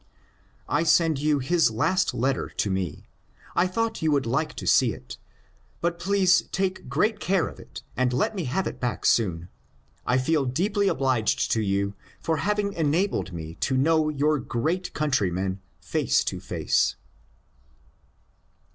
I send you his last letter to me. I thought you would like to see it, but please take great care of it and let me have it back soon. I feel deeply obliged to you for having enabled me to know your great countryman face to face."